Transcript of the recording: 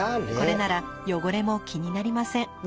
これなら汚れも気になりません。